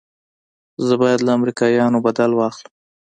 زه بايد له امريکايانو بدل واخلم.